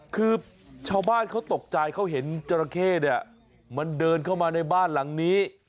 คือชาวบ้านเขาตกใจเขาเห็นจราเข้เนี่ยมันเดินเข้ามาในบ้านหลังนี้